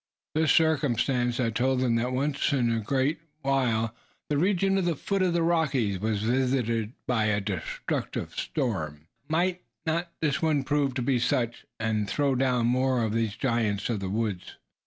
This circumstance had told him once that in a great while the region at the foot of the Rockies was visited by a destructive storm. Might not this one prove to be such, and throw down more of these giants of the woods?